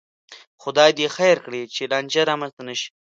خدای دې خیر کړي، چې لانجه را منځته نشي